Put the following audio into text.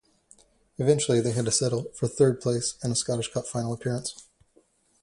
Eventually they had to settle for third place and a Scottish Cup final appearance.